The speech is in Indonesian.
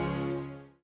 iwebison lima tidur